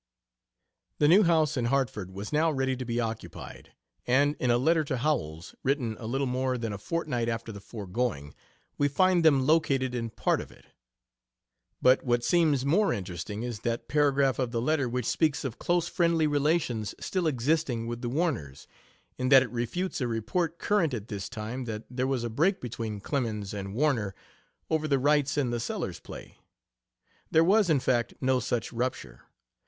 The new house in Hartford was now ready to be occupied, and in a letter to Howells, written a little more than a fortnight after the foregoing, we find them located in "part" of it. But what seems more interesting is that paragraph of the letter which speaks of close friendly relations still existing with the Warners, in that it refutes a report current at this time that there was a break between Clemens and Warner over the rights in the Sellers play. There was, in fact, no such rupture.